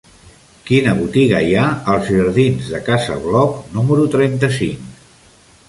Quina botiga hi ha als jardins de Casa Bloc número trenta-cinc?